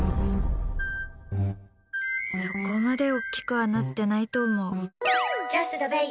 そこまで大きくはなってないと思う。